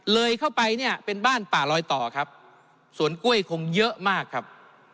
เลยเข้าไปเนี่ยเป็นบ้านป่าลอยต่อครับสวนกล้วยคงเยอะมากครับ